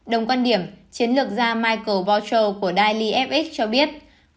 đồng quan điểm chiến lược gia michael boucher của daily fx cho biết